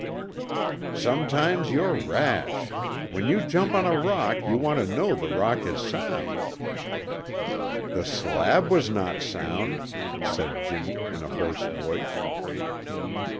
"Sometimes you're rash. When you jump on a rock, you want to know the rock is sound." "The slab was not sound," said Jimmy in a hoarse voice.